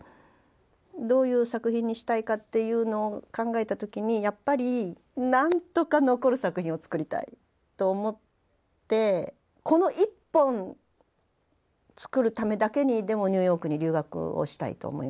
どういう作品にしたいかっていうのを考えた時にやっぱり何とか残る作品を作りたいと思ってこの１本作るためだけにでもニューヨークに留学をしたいと思いましたね。